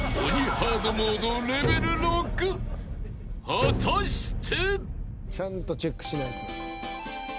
［果たして］